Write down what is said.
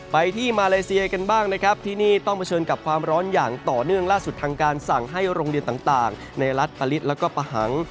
ไปที่มาเลเซียกันบ้างนะครับที่นี่ต้องเผชิญกับความร้อนอย่างต่อเนื่องล่าสุดทางการสั่งให้โรงเรียนต่างในรัฐผลิตแล้วก็ปะหัง